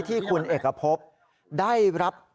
ที่คุณเอกพบได้รับ